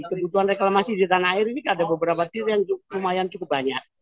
kebutuhan reklamasi di tanah air ini ada beberapa tir yang lumayan cukup banyak